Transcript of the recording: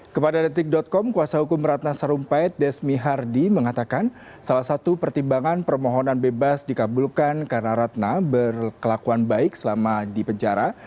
kepada detik com kuasa hukum ratna sarumpait desmi hardi mengatakan salah satu pertimbangan permohonan bebas dikabulkan karena ratna berkelakuan baik selama di penjara